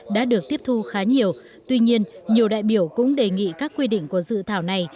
đã được tiếp thu khá nhiều tuy nhiên nhiều đại biểu cũng đề nghị các quy định của dự thảo này